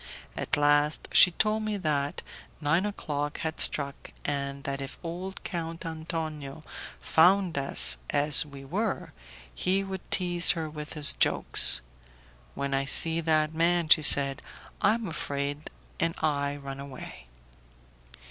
At last she told me that nine o'clock had struck, and that if old Count Antonio found us as we were, he would tease her with his jokes. "When I see that man," she said, "I am afraid and I run away."